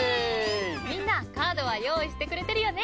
みんなカードは用意してくれてるよね？